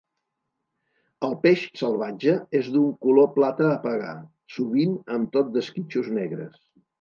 El peix salvatge és d'un color plata apagar, sovint amb tot d'esquitxos negres.